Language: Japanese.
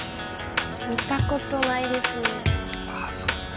見た事ないですね。